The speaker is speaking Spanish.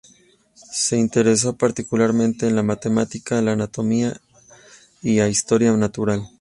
Se interesó particularmente en la matemática, la anatomía, y a historia natural.